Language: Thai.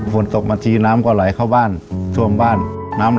ฝนตกมาทีน้ำก็ไหลเข้าบ้านท่วมบ้านน้ำ